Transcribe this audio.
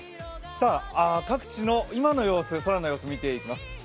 各地の今の空の様子、見ていきます